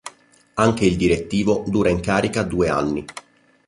Anche il direttivo dura in carica due anni.